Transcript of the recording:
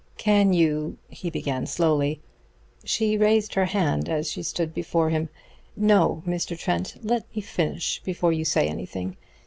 "Can you " he began slowly. She raised her hand as she stood before him. "No, Mr. Trent, let me finish before you say anything.